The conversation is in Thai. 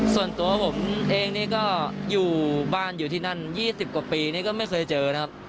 ส่วนตัวผมเองนี่ก็อยู่บ้านอยู่ที่นั่น๒๐กว่าปีนี่ก็ไม่เคยเจอนะครับ